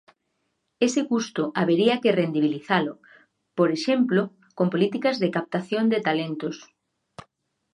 Ese custo habería que rendibilizalo, por exemplo, con políticas de captación de talentos.